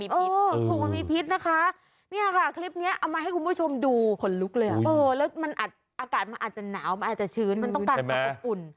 ไม่มีพิษนะครับคลิปนี้เอามาให้คุณผู้ชมดูอ่ะอาจจะหนาวอาจจะชื้นมันต้องการเผื่ออุ่น